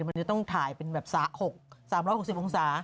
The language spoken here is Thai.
มันจะต้องถ่ายเป็นแบบ๓๖๐องศา